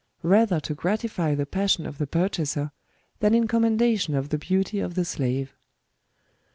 rather to gratify the passion of the purchaser, than in commendation of the beauty of the slave.